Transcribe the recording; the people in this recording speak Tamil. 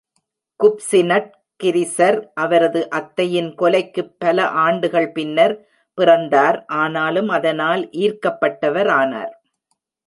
குப்சினட்-கிரிசர் அவரது அத்தையின் கொலைக்குப் பல ஆண்டுகள் பின்னர் பிறந்தார் ஆனாலும் அதனால் ஈர்க்கப்பட்டவர் ஆனார்.